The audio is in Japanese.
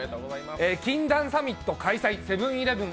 禁断サミット開催、セブン−イレブン